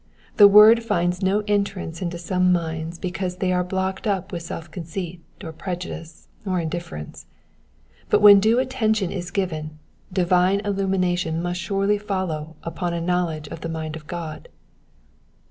The word finds no entrance into some minds be cause they are blocked up with self conceit, or prejudice, or indifference ; but where due attention is given, divine illimiination must surely follow upon a knowledge of the mind of God.